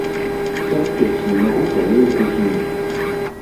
Цярпець не магу тваёй грызні!